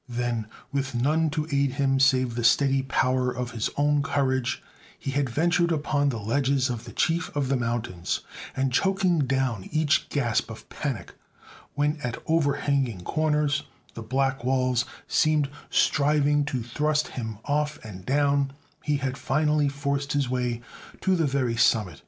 Then, with none to aid him save the steady power of his own courage, he had ventured upon the ledges of the Chief of the Mountains, and, choking down each gasp of panic when at overhanging corners the black walls seemed striving to thrust him off and down, he had finally forced his way to the very summit.